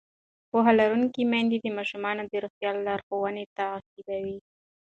پوهه لرونکې میندې د ماشومانو د روغتیا لارښوونې تعقیبوي.